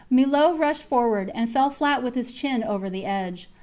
Millot rushed forward, and fell flat with his chin over the edge.